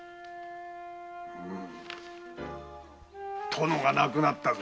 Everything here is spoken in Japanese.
殿が亡くなったぞ。